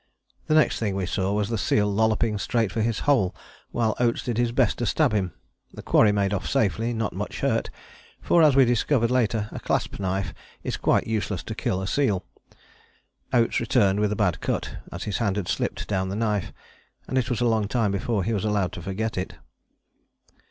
The next thing we saw was the seal lolloping straight for his hole, while Oates did his best to stab him. The quarry made off safely not much hurt, for, as we discovered later, a clasp knife is quite useless to kill a seal. Oates returned with a bad cut, as his hand had slipped down the knife; and it was a long time before he was allowed to forget it.